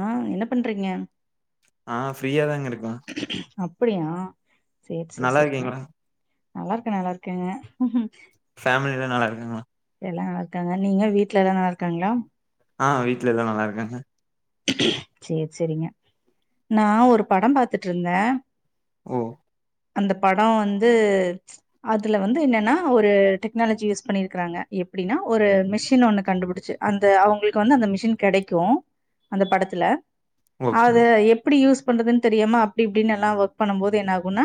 ஆ என்ன பண்றீங்க ஆ ஃப்ரீயாதாங்க இருக்கோ அப்பிடியா சே சே நல்லா சேரிங்க இருக்கீங்களா நல்லா இருக்கே நல்லா இருக்கேங்க ஃபேமில்லா நல்லா இருக்காங்களா எல்லா நல்லா இருக்காங்க நீங்க வீட்ல எல்லா நல்லா இருக்காங்களா ஆ வீ்ட்ல எல்லா நல்லா இருக்காங்க சேரி சேரிங்க நா ஒரு படம் பாத்துட்டு இருந்த ஓ அந்த படோ வந்து அதுல வந்து என்னென்னா ஒரு டெக்னாலஜி யூஸ் பண்ணிருக்கறாங்க எப்பிடின்னா ஒரு மிஷின் ஒன்னு கண்டுபிடிச்சி அந்த அவங்களுக்கு வந்து அந்த மிஷின் கெடைக்கு அந்த படத்துல ஓகேங்க அது எப் ப்பிடி யூஸ் பண்றதுன்னு தெரியுமா அப்பிடி இப்பிடின் எல்லா ஒர்க் பண்ணுபோது என்ன ஆகுனா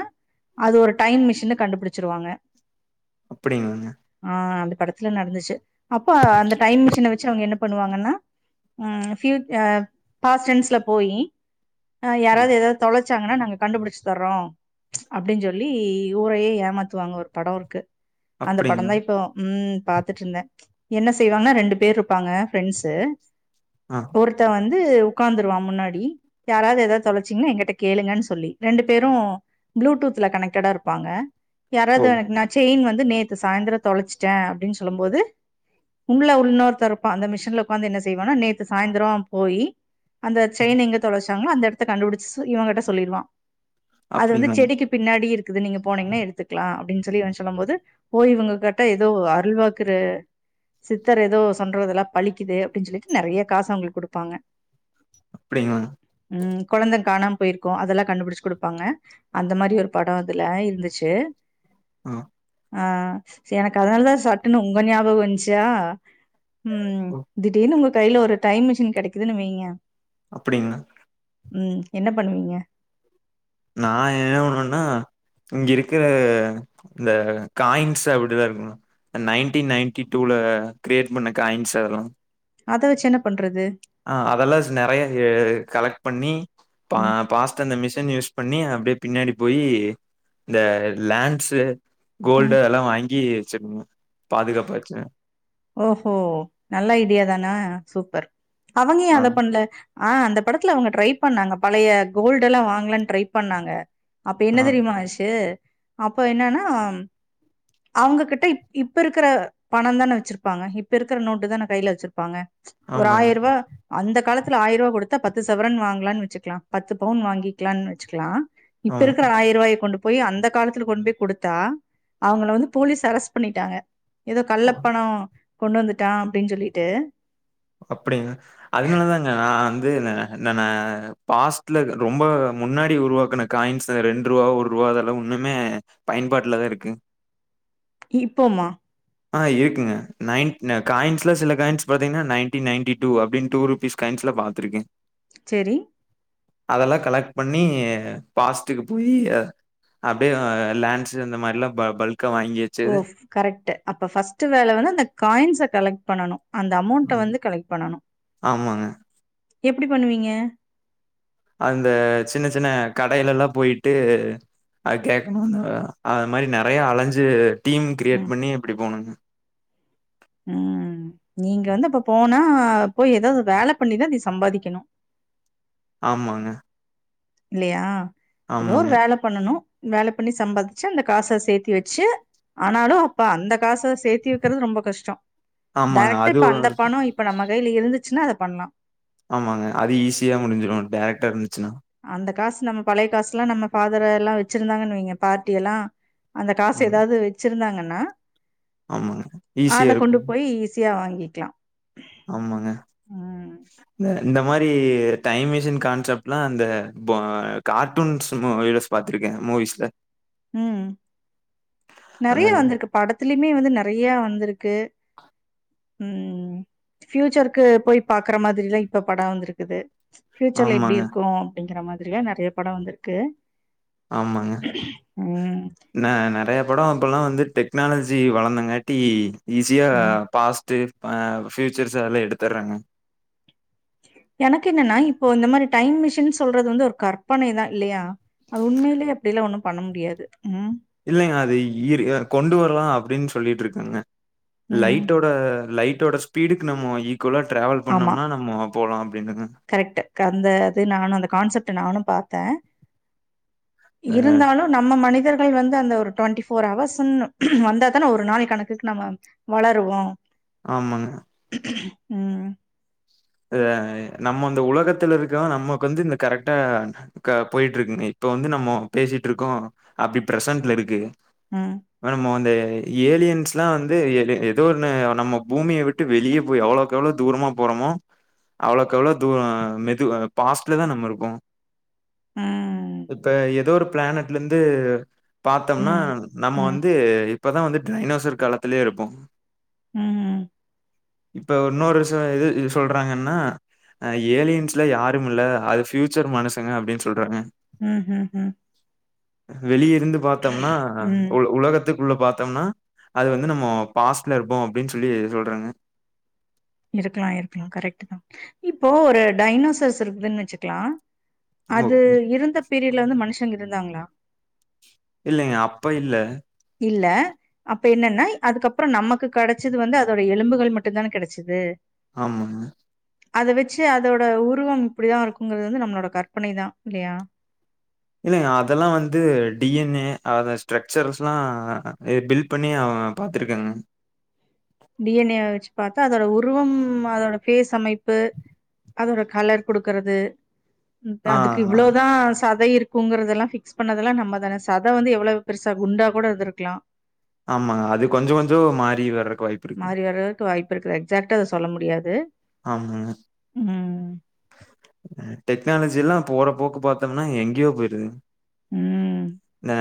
அது ஒரு டைம் மிஷின்னு கண்டுபிடிச்சிருவாங்க ப்பிடிங்ங்க ஆ அந்த படத்துல நடந்துச்சி அப்ப அந்த டைம் மிஷின வச்சி அவங்க என்ன பண்ணுவாங்கன்னா ம் ஃபியு அ பாஸ்டென்ஸ்ல போயி அ ம் யாராது எதாது தொலைச்சாங்கன்னா நாங்க கண்டுபுடிச்சி தர்றோ அப்பிடின் சொல்லி ஊரையே ஏமாத்துவாங்க ஒரு படோ இருக்கு அந்த அப்டிங்களா படந்தா இப்போ ம் பாத் ட்டு இருந்தே என்ன செய் வங்கன்னா ரெண்டு பேர் இருப்பாங்க ஃபிரெண்ஸு ஆ ஒருத்த வந்து உக்காந்துருவா முன்னாடி யாராது எதாது தொலச்சிங்கன்னா எங்கிட்ட கேளுங்கன் சொல்லி ரெண்டு பேரு ப்ளூடூத்ல கனெக்டடா இருப்பாங்க ஓ யாராது உனக்கு ந செயின் வந்து நேத்து சாயந்தரோ தொலச்சிட்டே அப்பிடின் சொல்லு போது உங்ள்ள உன்னோர்த்த இருப்பா அந்த மிஷன்ல உக்காந்து என்ன செய்வானா நேத் த்து சாயந்திரோ போய் அந்த செயின் எங்க தொலச்சாங்களோ அந்த எடத்த கண்டுபுடிச்சி சொ இவங்கிட்ட சொல்லிருவா அது வந்து அப்டிங்களாங்க செடிக்கு பின்னாடி இருக்குது நீங்க போனீங்கன்னா எடுத்துக்கலா அப்பிடின் சொல்லி இவ சொல்லு போது போய் இவங்க கட்டா எதோ அருள்வாக்குற சித்தர் ஏதோ சொல்றதெல்லா பழிக்குது அப்படி சொல்லிட்டு நறைய காசு அவங்களுக்கு குடுப்பாங்க அப்படியா உம் கொழந்தங்க காணாம போயிருக்கு அதெல்லா கண்டுபிடிச்சு குடுப்பாங்க அந்த மாரி ஒரு படோ அதுல இருந்துச்சு ஆ ஆ எனக்கு அதனாலதா சட்டுணு உங்க ஞாபகோ வந்துச்சா உம் ஓ திடீர்னு உங்க கையில ஒரு டைம் மிஷின் கெடைக்குதுன்னு வெயிங்க அப்படின்னு உம் என்ன பண்ணுவீங்க நா என்ன பண்ணுவன இங்க இருக்கிற இந்த காயின்ஸ் அப்படிதா இருக்கணு நைன்டீன் நைன்டி டூல கிரியியேட் பண்ண காயின்ஸ் அதுலா அத வெச்சு என்ன பன்ரது ஆ அதெல்லா நெறையா ஏ கலெக்ட் பண்ணி பா ம் பாஸ் அந்த மிஷின் யூஸ் பண்ணி அப்படியே பின்னாடி போய் இந்த லேண்ட்ஸ் ம் கோல்டு அதல்லா வாங்கி வச்சிருனு பாதுகாப்பா வச்சு ஓ ஓ நல்ல ஐடியாதானா சூப்பர் அவங்க எ ஆ அத பண்ணல ஆ அந்த படத்துல அவங்க ட்ரை பண்ணாங்க பழைய கோல்டு எல்லா வாங்கலானு ட்ரை பண்ணாங்க அப்ப என்ன ஆ தெரியுமா ஆச்சு அப்போ என்னன்னா அவங்ககிட்ட இப்ப இருக்கிற பணோ தனே வெச்சிருப்ப ப்பாங்க இப்ப இருக்கிற நோட்டு தன கையில வெச்சிருப்பாங்க ஒரு ஆமாங்க ஆய ரூபா அந்த காலத்துல ஆய ரூபா குடுத்த பத்து சவரன் வாங்கலான்னு வச்சுக்கலா பத்து பவுன் வாங்கிக்கலான்னு வச்சுக்கலா இப்ப ஆமா இருக்கிற ஆயிர ரூபாயை கொண்டு போய் அந்த காலத்துல போய் குடுத்தா அவங்கள வந்து போலீஸ் அரெஸ்ட் பண்ணிட்டாங்க ஏதோ கள்ள ஓ பணோ கொண்டு வந்துட்டா அப்படின்னு சொல்லிட்டு அப்படிங்க அதனாலதாங்க நா வந்து நா பாஸ்ட்ல ரொம்ப முன்னாடி உருவாக்குன காயின்ஸ் ரெண்டு ரூபா ஒரு ரூபா உண்ணுமே பயன்பாட்டுல தா இருக்கு இப்போமா ஆ இருக்குங்க ந காயின்ஸ்ல சில காயின்ஸ் பாத்தீங்கன்னா நைன்டி நைன்டி டூ அப்படின்னு டூ ருபீஸ் கைன்ஸ்ல பாத்திருக்கே செரி அதெல்லா கலெக்ட் பண்ணி பாஸ்ட்டுக்கு போயி அப்படியே லேண்டஸ் இந்த மாரி எல்லா பல்கா வாங்கி ஓ வச்சது கரெக்ட்டு அப்போ ஃபர்ஸ்ட்டு வேல வந்து அந்த காயின்ஸ கலெக்ட் பண்ணனு அந்த அமௌண்ட ஆம். வந்து கலெக்ட் பண்ணணு ஆமாங்க எப்படி பண்ணுவீங்க அந்த சின்ன சின்ன கடையில்லல்லா போயிட்டு அ கேட்கணு அது மாதிரி நெறைய அலைஞ்சு டீம் கிரியேட் ம் பண்ணி அப்படி போகணுங்க ம் நீங்க வந்து அப்ப போனா போய் ஏதே ஒரு வேல பண்ணிதா நீ சம்பாதிக்கணு ஆமாங்க இல்லையா ஏதோ ஒரு ஆமாங்க வேல பண்ணணு வேலை பண்ணி சம்பாதிச்சு அந்த காச சேத்தி வச்சு ஆனாலு அப்ப அந்த காச சேத்தி வெக்கிறது ரொம்ப கஷ்டோ ஆமாங்க டெரெக்ட்டா அது இப்ப அந்த ஒரு பணோ இப் இப்ப நம்ம கையில இருந்துச்சுன்னா அத பண்ணலா ஆமாங்க அது ஈஸியா முடிஞ்சிடு டேரக்டா இருந்துச்சுன்னா அந்த காசு நம்ம பழைய காசு எல்லா நம்ம பாத்ர எல்லா வெச்சிருந்தாங்கன்னு வைங்க பார்ட்டி எல்லா அந்த காசு ஆமா ஏதாவது வச்சிருந்தாங்கன்னா ஆமாங்க ஈஸியா அத இருக்கு கொண்டு போய் ஈஸியா வாங்கிக்கலா ஆமாங்க ம் இந்த மாதிரி டைம் மஷின் கான்செப்ட் எல்லா அந்த பொ கார்ட்டூன்ஸ் மூவிஸ் பாத்துருக்கே மூவிஸ்ல ம் அந்த நெறையா வந்திருக்கு படத்தலயுமே வந்து நெறையா வந்திருக்கு ம் ஃபியூச்சருக்கு போய் பாக்குற மாதிரி எல்லா இப்ப படம் வந்திருக்குது ஃபியூச்சர்ல எப்டி ஆமாங்க, இருக்கு அப்டிங்கிற மாதிரி எல்லா நெறையா படம் வந்திருக்கு ஆமாங்க ம் ந நெறையா படம் இப்போல்லா வந்து டெக்னாலஜி வளந்தங்காட்டி ஈஸியா ம் பாஸ் ட்டு ஆ ஃபியூச்சர்ஸ் அதெல்லா எடுத்துடுறாங்க எனக்கு என்னன்னா இப்போ இந்த மாதிரி டைம் மிஷின் சொல்றது வந்து ஒரு கற்பனைதான் இல்லையா அது உண்மையிலே அப்டியெல்லா ஒண்ணு பண்ண முடியாது ம் இல்லைங்க அது இயரு அ கொண்டு வரலா அப்டின்னு சொல்லிட்டு இருக்காங்க ம். லைட்டோட லைட்டோ ஸ்பீடுக்கு நம்ம ஈக்குவலா டிராவல் ஆமா பண்ணோம்னா நம்மோ போகலா அப்டின்னுங்க கரெக்ட் அந்த அது நானு அந்த கான்செப்ட்ட நானு பாத்தேன் அ இருந்தாலு நம்ம மனிதர்கள் வந்து அந்த ஒரு டுவெண்ட்டி ஃபோர் அவர்ஸ்ன்னு வந்தா தான ஒரு நாளை கணக்குக்கு நம்ம வளருவோம் ஆமாங்க ம் இதாங்க நம்ம இந்த உலகத்துல இருக்கவ நமக்கு வந்து இந்த கரெக்டா கா போயிட்டு இருக்குங்க இப்ப வந்து நம்ம பேசிட்டு இருக்கோம் அப்டி பிரசன்ட்ல இருக்கு ம் மேடம் ஓந்த ஏலியன்ஸ் எல்லா வந்து ஏதோ ஒன்னு நம்ம பூமியை வி ட்டு வெளிய போய் எவ்ளோக்கு எவ்ளோ தூரமா போறமோ அவ்வளோக்கு அவ்வளவு தூர மெது பாஸ்ட்ல தா நம்ம இருக்கோ ம், இப்ப ஏதோ ஒரு பிளானட்ல இருந்து பாத்தோம்னா ம், நம்ம ம், வந்து இப்பதா வந்து ரைனோசர் காலத்திலயே இருப்போ ம் ம் இப்ப இன்னொரு விசயோ இது இது சொல்றாங்கன்னா ஏலியன்ஸ்ல யாரும் இல்ல அது ஃபியூச்சர் மனுசங்க அப்டின்னு சொல்றாங்க ம் ம் ம் வெளிய இருந்து பாத்தோம்னா ம். உல உலகத் துகுள்ள பாத்தோம்னா அது வந்து நம்ம பாஸ்ட்ல இருப்போம் அப்டின்னு சொல்லி சொல்றாங்க இருக்கலா இருக்கலா கரெக்ட் தா இப்போ ஒரு டைனோசர்ஸ் இருக்குதுன்னு வச்சுக்கலா ஓ அது இருந்த பீரியட்ல வந்து மனுஷங்க இருந்தாங்களா இல்லைங்க அப்ப இல்ல இல்ல அப்ப என்னன்னா அதுக்கப்புறம் நமக்கு கெடைச்சது வந்து அதோட எலும்புகள் மட்டும்தானே கெடைச்சது ஆமாங்க அத வச்சு அதோட உருவம் இப்டிதா இருக்குங்கிறது வந்து நம்மளோட கற்பனை தா இல்லையா இல்லைங்க அதெல்லா வந்து டி என் ஏ அத ஸ்ட்ரக்சர்ஸ்லா ஏ பில் ப்பனியே அவங்க பாத்தருக்கங்க டி என் ஏவே வெச்சுப் பாத்தா அதோட உருவம் அதோட ஃபேஸ் அமைப்பு அதோட கலர் குடுக்கறது ஆ அதுக்கு இவ்ளோதா சதை இருக் குங்குறதல்லா பிக்ஸ் பண்ணதெல்லா நம்ம தானே சதை வந்து எவ்ளவு பெருசா குண்டா கூட இருந்திருக்கலா ஆமாங்க அது கொஞ்சோ கொஞ்சோ மாறி வர்றக்கு வாய்ப்பு இருக்கு. மாறி வர்றதுக்கு வாய்ப்பு இருக்குது எக்சாட்டா அத சொல்ல முடியாது ஆமாங்க ம் அ டெக்னாலஜி எல்லா போற போக்கு பாத்தோம்னா எங்கேயோ போயிருது ம். ஆ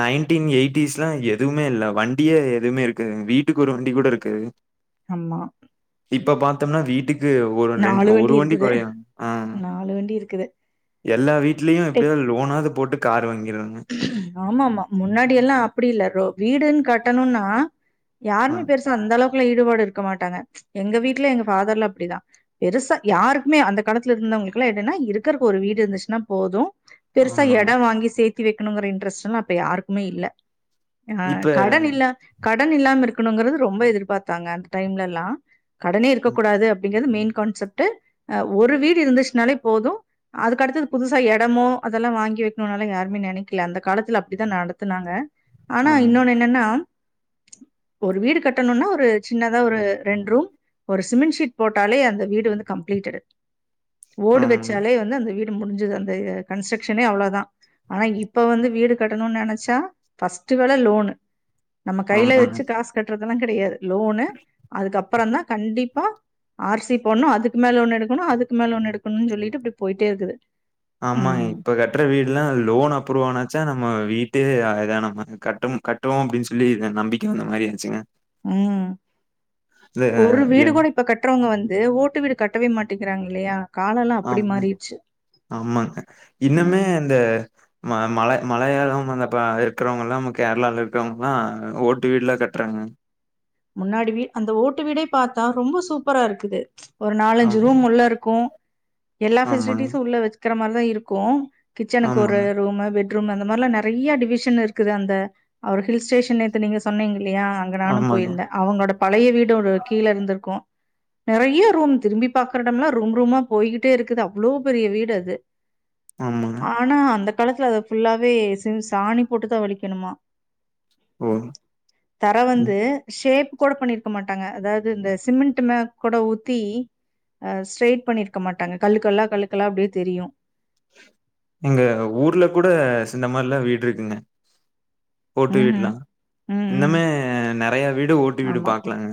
நைன் டின் எயிட்டிஸ்ல்லா எதுவுமே இல்ல வண்டியே எதுவுமே இருக்காது வீட்டுக்கு ஒரு வண்டி கூட இருக்காது ஆமா இப்ப பாத்தோம்னா வீட்டுக்கு ஒரு ரெண் வண்டி ஒரு வண்டிக் இருக்குது. குறயு ஆ வண்டி இருக்குது. எல்லா வீட்லயு எப்டியது லோனாவது போட்டு கார் வாங்கியிராங்க ஆமா ஆமா முன்னாடி எல்லா அப்டி இல்ல ரோ வீடுன்னு கட்டணுனா ஆ யாருமே பெரு சா அந்த அளவுக்குல்ல ஈடுபாடு இருக்க மாட்டாங்க எங்க வீட்டுல எங்க ஃபாதர்ல அப்டிதா பெருசா யாருக்குமே அந்த காலத்துல இருந்தவங்களுக்கு எல்லா என்னன்னா இருக்கறக்கு ஒரு வீடு இருந்துச்சுன்னா போது பெருசா ஆமாங்க. எடோ வாங்கி சேத்தி வெக்கணுங்கிற இன்ட்ரெஸ்ட் எல்லா அப்ப யாருக்குமே இல்ல ஆ இப்ப கடன் இல்ல கடன் இல்லாம இருக்கணுங்கறது ரொம்ப எதிர்பாத்தாங்க அந்த டைம்ல எல்லா கடனே இருக்கக்க ம் கூடாது அப்டிங்கிறது மெயின் கான்செப்ட் ஆ ஒரு வீடு இருந்துச்சுனாலே போது அதுக்கடுத்தது புதுசா எடமோ அதெல்லா வாங்கி வக்கணுன்னால யாருமே நென க்கல அந்த காலத்துல அப்டித்தா நடத்துனாங்க ஆனா ஆமாங்க. இன்னொன்னு என்னன்னா ஒரு வீடு கட்டணும்னா ஒரு சின்னதா ஒரு ரெண்டு ரூம் ஒரு சிமெண்ட்ஷீ்ட் போட்டாலே அந்த வீடு வந்து கம்ப்ளீட்டு ஓடு ஆமாங்க. வச்சாலே வந்து அந்த வீடு முடிஞ்சது அந்த கன்ஸ்ட்ரக்ஷனே அவ்ளதா ஆனா இ ப்ப வந்து வீடு கட்டணுனு நெனைச்சா ஃப்ஸ்ட்டு வேல லோனு நம்ம கையில ஆமாங்க. வெச்சு காசு கட்றதெல்லா கெடையாது லோனு அதுக்கப்புற தா கண்டிப்பா ஆர் சி போனு அதுக்கு மேல ஒண்ணு எடுக்கணு அதுக்கு மேல ஒண்ணு எடுக்குனு சொல்லிட்டு இப்டி போயிட்டே இருக்குது ஆமா ம் இப்ப க ட்ற வீடுல லோன் அப்ரூவ் ஆனாச்சா நம்ம வீட்டு அழகா நம்ம கட்டம் க ட்டுவோ அப்டின்னு சொல்லி நம்பிக்க வந்த மாரி இருந்துச்சுங்க ம் ஒரு எ வீடு கூட இப்ப கட்டுறவங்க வந்து ஓட்டு வீடு கட்டவே மாட்டேங்கிறாங்க இல்லயா காலெல்லா அப்டி ஆமா, மாறிடுச்சு ஆமாங்க இன்னுமே ம் அந்த ம மல மலயாளம் அந்தப்ப இருக்கிறவங்க எல்லா கேரளாலில இருக்கிறவங்க எல்லா ஓட்டு வீடுலா கட்டுறாங்க முன்னாடி வீ அந்த ஓட்டு வீட பாத்தா ரொம்ப சூப்பரா இருக்குது ஒரு நாலஞ்சு ஆமாங்க, ரூம் உள்ள இருக்கு எல்லா ஆமாங்க, பெஃசிலிட்டிஸும் உள்ள வெக்கற மாரிதா இருக்கு கிச்சனுக்கு ஒரு ஆமாங்க, ரூமு பெட் ரூம் அந்த மாரெல்ல நெறைய டிவிஷன் இருக்குது அந்த அவரு ஹில் ஸ்டேஷன் நேத்து நீங்க சொன்னீங்க இல்லையா அங்க நானும் ஆமாங்க, அவங்களோட பழய வீடு ஒரு கீழே இருந்திருக்கு நெறைய ரூம் திரும்பி பாக்கற எடோம்ல்லா ரூம் ரூமா போயிகிட்டே இருக்குது அவ்ளோ பெரிய வீடு அது ஆமாங் ஆனா அந்த காலத்துல அத ஃபுல்லாவே சி சாணி போட்டுதா வழிக்கணுமா ஒன் தர வந்து ஷேப் கூட பண்ணிருக்க மாட்டாங்க அதாவ்து இந்த சிமெண்ட் மே கூட ஊத்தி ஸ்ட்ரெய்ட் பண்ணிருக்க மாட்டாங்க கல்லுக்கல்லா கல்லுக்கல்லா அப்டியே தெரியு எங்க ஊர்ல கூட சிந்த மாரிலா வீடு இருக்குங்க ஓட்டு ம் வீடுலா ம் ம் ம் இன்னமே நெறைய வீடு ஓட்டு வீடு ஆமா பாக்கலாங்க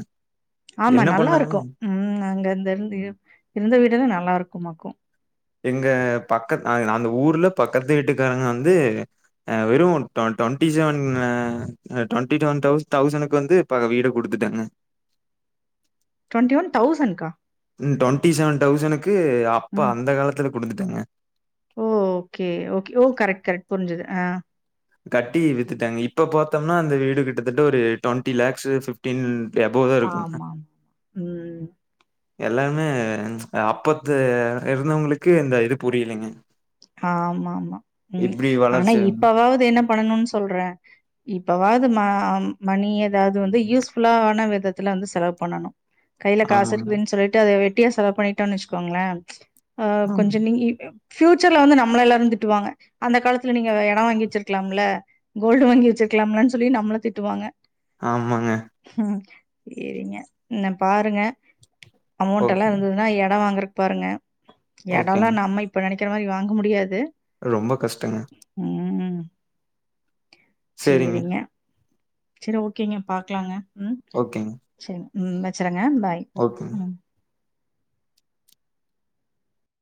ஆமா என்ன பண்ண நல்லா இருக்கு ம் அங்க இருந்து இருந்து உங்க வீடல்லா நல்லா இருக்கும்மாக்கு எங்க பக்கத்து அந்த ஊர்ல பக்கத்து வீட்டுக்காரங்க வந்து வெறும் twenty seven twenty two one தௌசனுக்கு வந்து இப்ப வீட கொடுத்துட்டாங்க டுவெண்டி ஒன் தௌசண்ட்கா டுவெண்ட்டி செவன் தௌசண்டக்கு அப்ப ம். அந்த காலத்துல கொடுத்துட்டேங்க ஓ ஓகே ஓகே ஓ கரெக்ட் கரெக்ட் புரிஞ்சுது ஆ கட்டி வித்துட்டாங்க இப்ப பாத்தோம்னா அந்த வீடு கிட்டத்தட்ட ஒரு டுவென்டி லேக்ஸு ஃபிஃப்டீன் அபோவே இருக்கு ஆமாமா. ம். எல்லாமே அப்பத்து இருந்தவங்களுக்கு இந்த இது புரியலைங்க ஆமா ஆமா ம் இப்டி ஆனா வளர்ச்சி இப்பாவாது என்ன பண்ணணு சொல்றே இப்பவாது நா மணி எதாவ்து வந்து யூஸ்ஃபுல்லான விதத்துல வந்து செலவு பண்ணணு கையில காசு ஆமாங்க இருக்குதுன்னு சொல்லிட்டு அத வெட்டியா செலவு பண்ணிட்டோன்னு வச்சுக்கோங்களே ஆ கொஞ்சோ ஆமா நீங்க ஃபியூச்சர்ல வந்து நம்மள எல்லாரு திட்டுவாங்க அந்த காலத்துல நீங்க எடோ வாங்கி வச்சிருக்கலாம்ல கோல்டு வாங்கி வச்சிருக்கலாம்லனு சொல்லி நம்மள திட்டுவாங்க ஆமாங்க ம் சேரிங்க என்ன பாருங்க அமௌண்டல்லா ஓகே இருந்ததுன்னா எடோ வாங்குறக்கு பாருங்க எடோல்லா ஓகேங்க நம்ம இப் விக்கிற மாரி வாங்க முடியாது ரொம்போ கஷ்டொங்க உம் சேரிங்க சேரி ஓகேங்க பாக்லாங்க ம் ஓகேங்க செரி ம் வச்சறேங்க பாய் ஓகே ம்